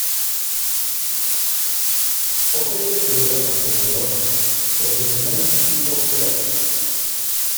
Ofrece programas tecnológicos, profesionales y postgrados.